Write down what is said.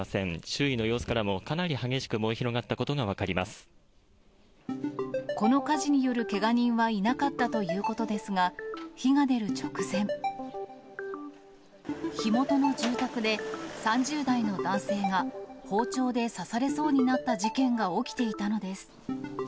周囲の様子からも、かなり激しくこの火事によるけが人はいなかったということですが、火が出る直前、火元の住宅で、３０代の男性が包丁で刺されそうになった事件が起きていたのです。